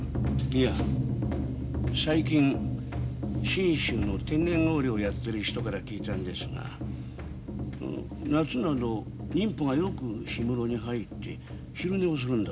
いや最近信州の天然氷をやってる人から聞いたんですが夏など人夫がよく氷室に入って昼寝をするんだそうです。